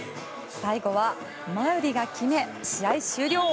最後は馬瓜が決め試合終了。